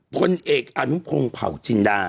พลเอกอนุพงศ์เผาจินดา